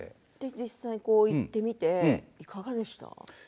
実際行ってみていかがでした。